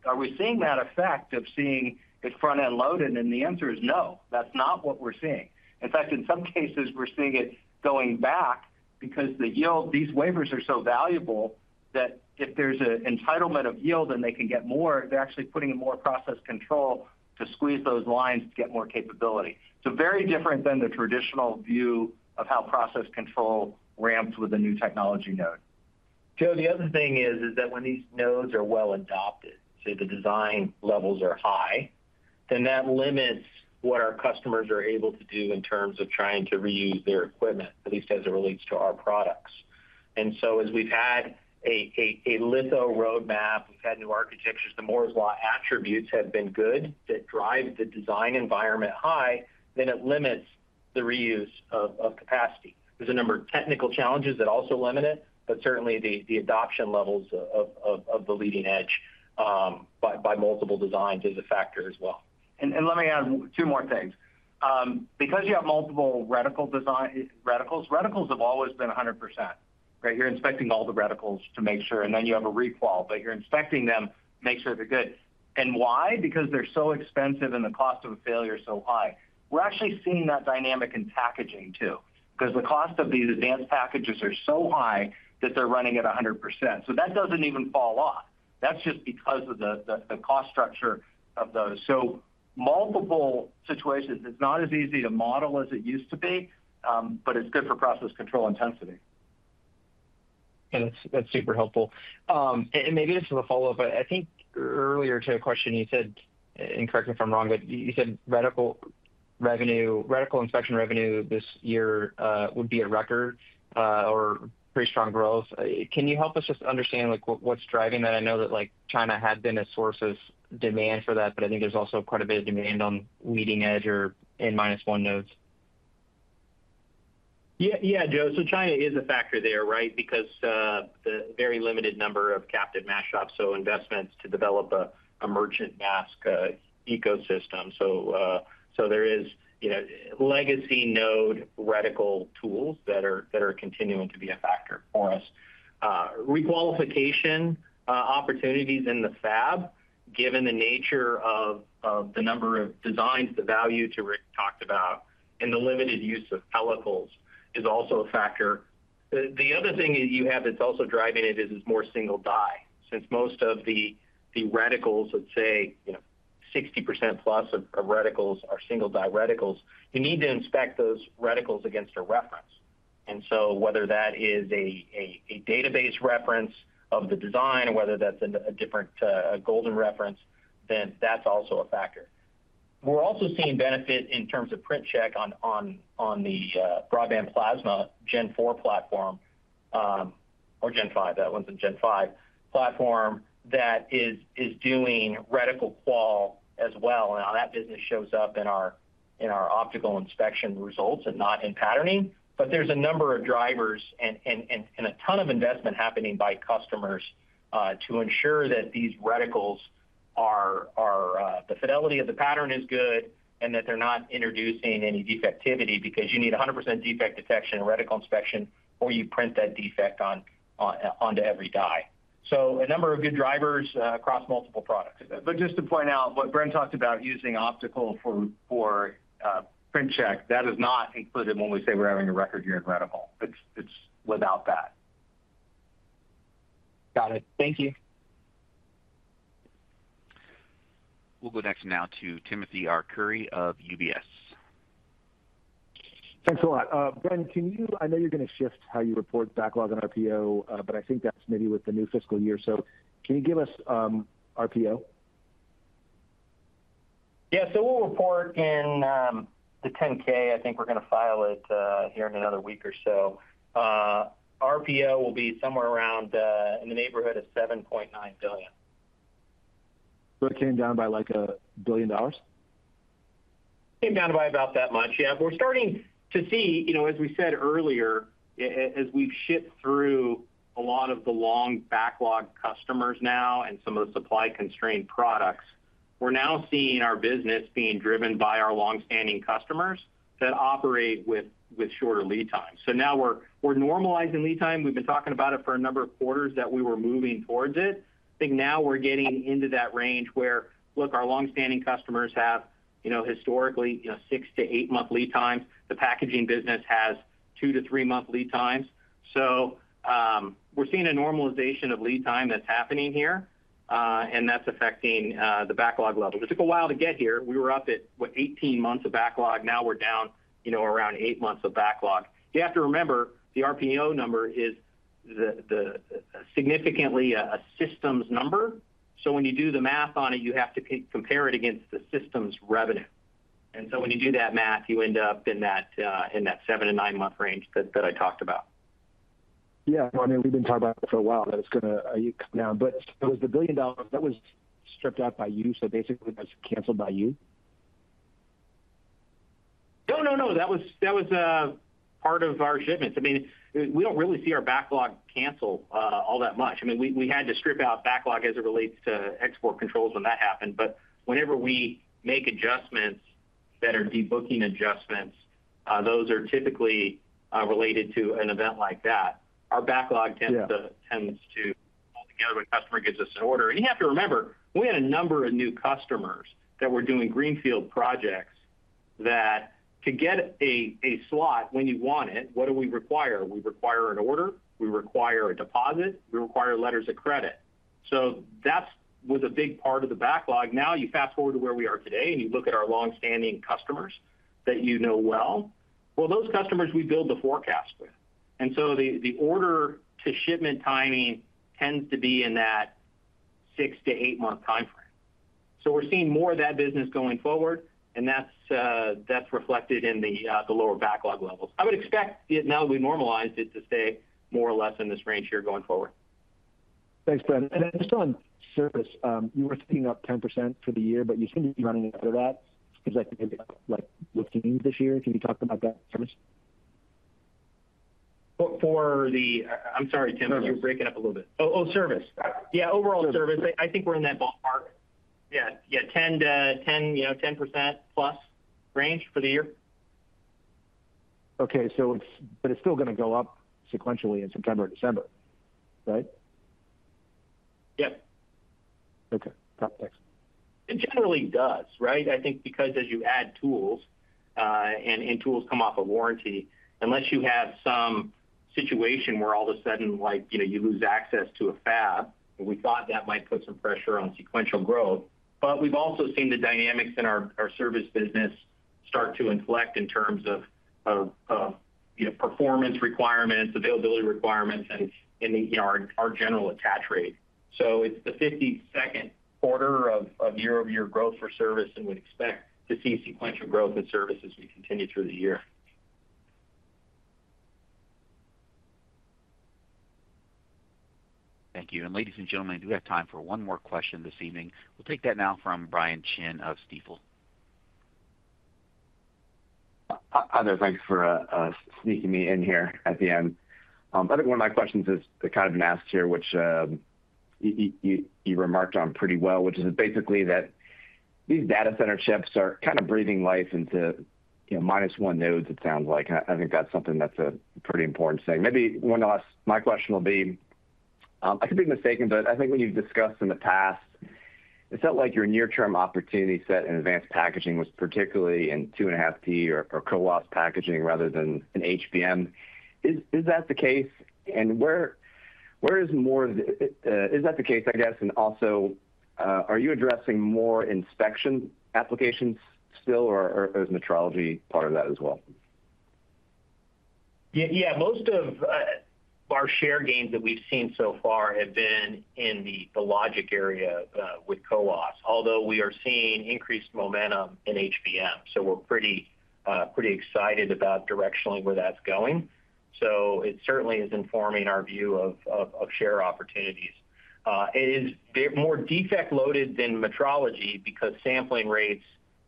are we seeing that effect of seeing it front end loaded? The answer is no, that's not what we're seeing. In fact, in some cases we're seeing. It is going back because the yield, these. Wafers are so valuable that if there's an entitlement of yield and they can get more, they're actually putting in more process control to squeeze those lines to get more capability. This is very different than the traditional view of how process control ramps with a new technology node. The other thing is that when these nodes are well adopted, say the design levels are high, then that limits what our customers are able to do in terms of trying to reuse their equipment, at least as it relates to our products. As we've had a litho roadmap, had new architectures, the Moore's Law attributes have been good that drive the design environment high, then it limits the reuse of capacity. There are a number of technical challenges that also limit it. Certainly the adoption levels of the leading edge by multiple designs is a factor as well. Let me add two more things. Because you have multiple reticles, reticles have always been 100%. You're inspecting all the reticles to make sure, and then you have a recall, but you're inspecting them to make sure they're good. Why? Because they're so expensive and the cost of a failure is so high. We're actually seeing that dynamic in packaging too because the cost of these advanced packages is so high that they're running at 100% so that doesn't even fall off. That's just because of the cost structure of those. Multiple situations. It's not as easy to model as it used to be, but it's good. For process control intensity. That's super helpful. Maybe this is a follow up. I think earlier to a question you said, and correct me if I'm wrong, but you said radical inspection revenue this year would be a record. Pretty strong growth. Can you help us just understand what's driving that? I know that China had been a source of demand for that, but I think there's also quite a bit of demand on leading edge or n minus one nodes. Yeah, Joe. China is a factor there, right? Because the very limited number of captive mash ups, so investments to develop a merchant mask ecosystem. There is legacy node reticle tools that are continuing to be a factor for us, requalification opportunities in the fabric. Given the nature of the number of designs, the value that Rick talked about, and the limited use of pellicles is also a factor. The other thing you have that's also driving it is more single die. Since most of the reticles, let's say 60%+ of reticles, are single die reticles, you need to inspect those reticles against a reference. Whether that is a database reference of the design or a different golden reference, that's also a factor. We're also seeing benefit in terms of print check on the broadband plasma Gen 4 platform or Gen 5. That one's in Gen 5 platform that is doing reticle qual as well. That business shows up in our optical inspection results and not in patterning. There are a number of drivers and a ton of investment happening by customers to ensure that these reticles are, the fidelity of the pattern is good and that they're not introducing any defectivity because you need 100% defect detection reticle inspection or you print that defect onto every die. A number of good drivers across multiple products. To point out what Bren talked about using optical for print check, that is not included. When we say we're having a record. Here, incredible, it's without that. Got it. Thank you. We'll go next now to Timothy Arcuri of UBS. Thanks a lot. Ben, can you. I know you're going to shift how. You report backlog and RPO, but I. think that's maybe with the new fiscal year. Can you give us RPO? We'll report in the 10-K. I think we're going to file it here in another week or so. RPO will be somewhere around in the neighborhood of $7.9 billion. It came down by like $1 billion. Came down by about that much. We're starting to see, as we said earlier, as we shipped through. A lot of the long backlog customers. Now, and some of the supply constrained products, we're now seeing our business being driven by our long standing customers that operate with shorter lead times. Now we're normalizing lead time. We've been talking about it for a number of quarters that we were moving towards it. I think now we're getting into that range where, look, our long standing customers have, you know, historically six to eight month lead times. The packaging business has two to three month lead times. We're seeing a normalization of lead time that's happening here, and that's affecting the backlog level. It took a while to get here. We were up at 18 months of backlog, now we're down, you know, around eight months of backlog. You have to remember the RPO number is significantly a systems number. When you do the math on it, you have to compare it against the system's revenue. When you do that math, you end up in that seven to nine month range that I talked about. Yeah, we've been talking about for a while that it's going to come down. It was the $1 billion that was stripped out by you. Basically, that's canceled by you. No, that was part of our shipments. We don't really see our backlog cancel all that much. We had to strip out backlog as it relates to export controls when that happened. Whenever we make adjustments that are debooking adjustments, those are typically related to an event like that. Our backlog tends to be when a customer gives us an order. You have to remember we had a number of new customers that were doing greenfield projects that, to get a slot when you want it, what do we require? We require an order, we require a deposit, we require letters of credit. That was a big part of the backlog. Now you fast forward to where we are today and you look at our longstanding customers that you know well. Those customers we build the forecast with, and the order to shipment timing tends to be in that six to eight month time frame. We are seeing more of that business going forward, and that's reflected in the lower backlog levels. I would expect it now that we. Normalized it to stay more or less in this range here, going forward. Thanks, Brent. You were sitting up 10% for the year, but you seem to be running out of that because I think like this year. Can you talk about that service? I'm sorry, Tim, you're breaking up a little bit. Oh, service. Yeah, overall service. I think we're in that ballpark. Yeah, 10 to 10, you know, 10% plus range for the year. Okay, it's still going to go up sequentially in September or December, right? Okay, thanks. It generally does, right? I think because as you add tools and tools come off a warranty, unless you have some situation where all of a sudden, like, you know, you lose. Access to a fab. We thought that might put some pressure on sequential growth. We have also seen the dynamics in our service business start to inflect in terms of performance requirements, availability requirements, and our general attach rate. It is the 52nd quarter of year-over-year growth for service, and we expect to see sequential growth in service as we continue through the year. Thank you. Ladies and gentlemen, do we have time for one more question this evening? We'll take that now from Brian Chin of Stifel. Hi there. Thanks for sneaking me in here at the end. I think one of my questions has. Kind of been asked here, which you. Remarked on pretty well, which is basically. That these data center chips are kind. Of breathing life into minus one nodes. It sounds like. I think that's something that's a pretty important thing. Maybe one last. My question will be, I could be mistaken, but I think when you've discussed in the past, it felt like your— Near term opportunity set in advanced packaging. Was particularly in 2.5. To our co-op packaging rather than an HBM. Is that the case? Where is more? Is that the case? I guess. Are you addressing more inspection applications still, or is metrology part of that as well? Yeah, most of our share gains that we've seen so far have been in the logic area with COAs, although we are seeing increased momentum in HBM. We're pretty excited about directionally where that's going. It certainly is informing our view of share opportunities. It is more defect loaded than metrology because sampling rates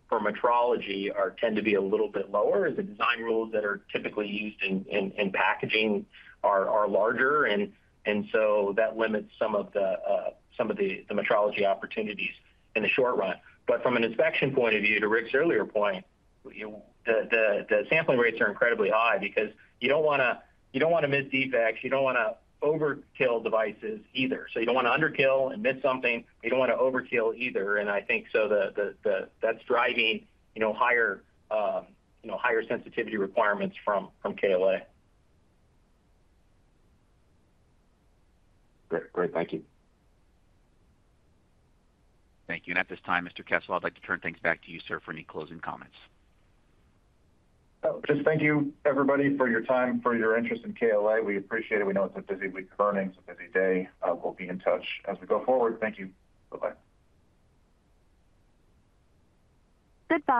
for metrology tend to be a little bit lower. The design rules that are typically used in packaging are larger, and that limits some of the metrology opportunities in the short run. From an inspection point of view, to Rick's earlier point, the sampling rates are incredibly high because you don't want to miss defects. You don't want to overkill devices either. You don't want to underkill, emit something, you don't want to overkill either. I think that's driving higher sensitivity requirements from KLA. Great, thank you. Thank you. Mr. Kessel, I'd like to turn things back to you, sir, for any closing comments. Thank you, everybody, for your time. For your interest in KLA. We appreciate it. We know it's a busy week of earnings, busy day. We'll be in touch as we go forward. Thank you. Bye bye. Goodbye.